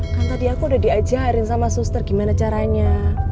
kan tadi aku udah diajarin sama suster gimana caranya